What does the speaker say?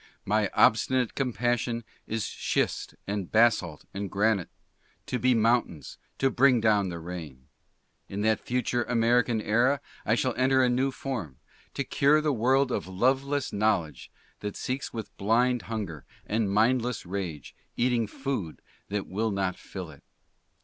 My obstinate compassion is schist and basalt and granite, to be mountains, to bring down the rain. In that future American Era I shall enter a new form; to cure the world of loveless knowledge that seeks with blind hunger: and mindless rage eating food that will not fill it."